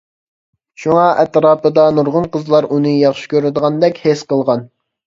شۇڭا ئەتراپىدا نۇرغۇن قىزلار ئۇنى ياخشى كۆرىدىغاندەك ھېس قىلغان.